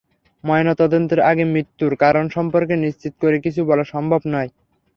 ময়নাতদন্তের আগে মৃত্যুর কারণ সম্পর্কে নিশ্চিত করে কিছু বলা সম্ভব নয়।